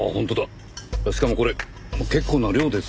しかもこれ結構な量ですよ。